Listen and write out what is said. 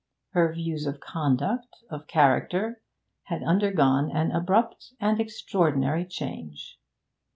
Her views of conduct, of character, had undergone an abrupt and extraordinary change.